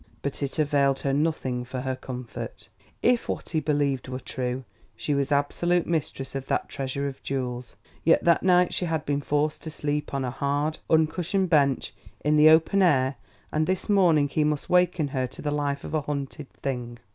But it availed her nothing for her comfort. If what he believed were true, she was absolute mistress of that treasure of jewels; yet that night she had been forced to sleep on a hard, uncushioned bench, in the open air, and this morning he must waken her to the life of a hunted thing.